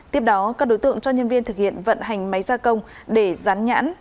tiếp đó các đối tượng cho nhân viên thực hiện vận hành máy gia công để rán nhãn